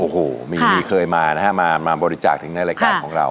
โอ้โหมีเคยมานะฮะมาบริจาคถึงในรายการของเรา